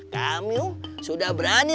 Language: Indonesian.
kamu sudah berani